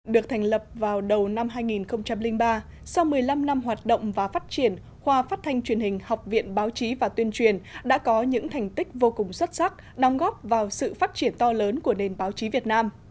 được thành lập vào đầu năm hai nghìn ba sau một mươi năm năm hoạt động và phát triển khoa phát thanh truyền hình học viện báo chí và tuyên truyền đã có những thành tích vô cùng xuất sắc đóng góp vào sự phát triển to lớn của nền báo chí việt nam